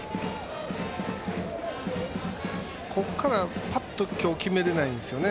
ここから、パッと今日は決められないんですよね。